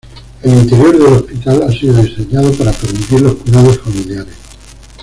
El interior del hospital ha sido diseñado para permitir los cuidados familiares.